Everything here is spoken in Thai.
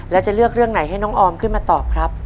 แล้วจะเลือกเรื่องไหนให้น้องออมขึ้นมาตอบครับ